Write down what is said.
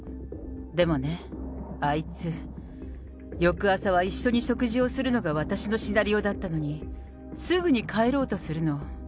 でもね、あいつ、翌朝は一緒に食事をするのが私のシナリオだったのに、すぐに帰ろうするの。